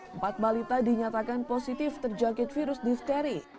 empat balita dinyatakan positif terjangkit virus difteri